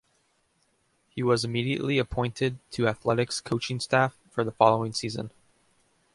He was immediately appointed to Athletic's coaching staff for the following season.